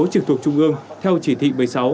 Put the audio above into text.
trực thuộc trung ương theo chỉ thị một mươi sáu